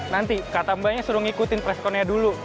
nanti kata mbaknya suruh ngikutin presscon nya dulu